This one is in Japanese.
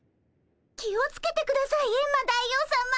気をつけてくださいエンマ大王さま。